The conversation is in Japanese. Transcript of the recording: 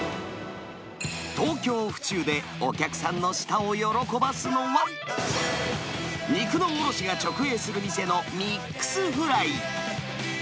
東京・府中でお客さんの舌を喜ばすのは、肉の卸が直営する店のミックスフライ。